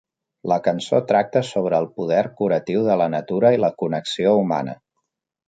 La cançó tracta sobre el poder curatiu de la natura i la connexió humana.